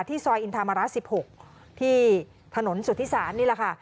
ที่ซอยอินทามาระ๑๖ที่ถนนสุธิศาสตร์นี่แหละค่ะ